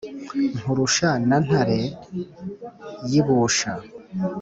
Nkurusha na Ntare y'ibusha